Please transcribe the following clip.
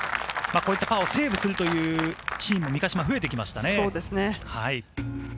こういったパーをセーブする三ヶ島、増えてきましたね。